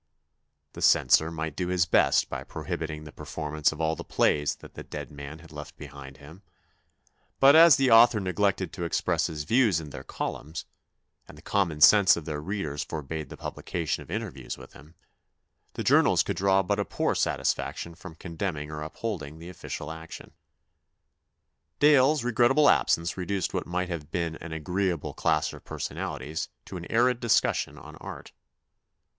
The Censor might do his best by prohibiting the performance of all the plays that the dead man had left behind him ; but, as the author neglected to express his views in their columns, and the common sense of their readers forbade the publication of interviews with him, the journals could draw but a poor THE BIOGRAPHY OF A SUPERMAN 227 satisfaction from condemning or upholding the official action. Dale's regrettable absence reduced what might have been an agreeable clash of personalities to an arid discussion on art.